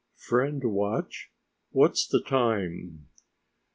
"Friend watch, what's the time?"